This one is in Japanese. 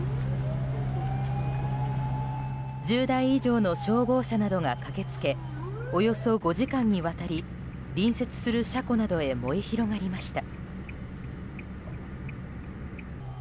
１０台以上の消防車などが駆け付けおよそ５時間にわたり隣接する車庫などへ燃え広がりました。